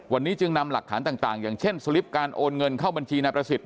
วันนี้จึงนำหลักฐานต่างอย่างเช่นสลิปการโอนเงินเข้าบัญชีนายประสิทธิ